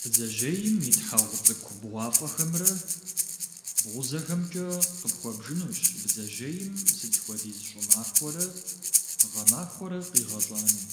Бдзэжьейм и тхьэгъу цӏыкӏу бгъуафӏэхэмрэ, бгъузэхэмкӏэ къыпхуэбжынущ бдзэжьейм сыт хуэдиз щӏымахуэрэ гъэмахуэрэ къигъэщӏами.